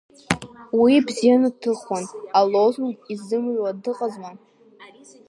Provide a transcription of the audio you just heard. Уи ибзианы дҭыхуан, алозунг изымҩуа дыҟазма.